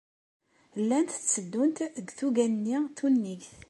Llant tteddunt deg tuga-nni tunnigt.